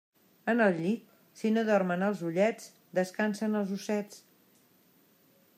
En el llit, si no dormen els ullets, descansen els ossets.